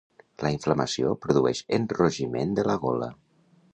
La inflamació produeix enrogiment de la gola.